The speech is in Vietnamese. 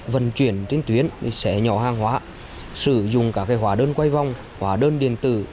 vận chuyển trên tuyến xé nhỏ hàng hóa sử dụng cả hóa đơn quay vòng hóa đơn điện tử